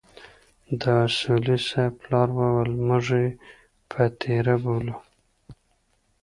د اصولي صیب پلار وويل موږ يې پتيره بولو.